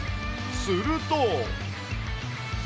すると。